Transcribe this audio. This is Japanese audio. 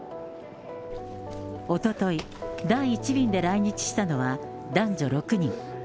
おととい、第１便で来日したのは男女６人。